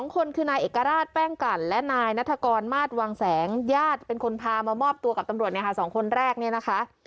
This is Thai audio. ๒คนคือนายเอกราชแป้งกันและนายนัฐกรมาสวังแสงญาติเป็นคนพามามอบตัวกับตำรวจเนี่ยค่ะ๒คนแรกเนี่ยนะคะ